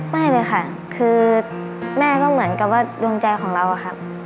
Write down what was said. ไม่เลยค่ะคือแม่ก็เหมือนกับว่าดวงใจของเราอะค่ะ